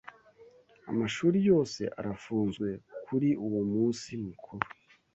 Amashuri yose arafunzwe kuri uwo munsi mukuru.